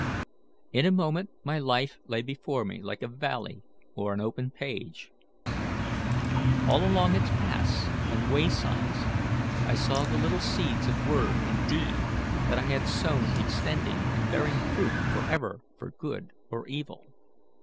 In a moment my life lay before me like a valley or an open page. All along its paths and waysides I saw the little seeds of word and deed that I had sown extending and bearing fruit forever for good or evil.